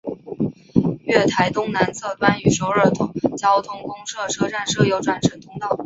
月台东南侧端与首尔交通公社车站设有转乘通道。